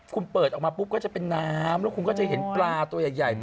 คุณเปิดออกมาปุ๊บก็จะเป็นน้ำแล้วคุณก็จะเห็นปลาตัวใหญ่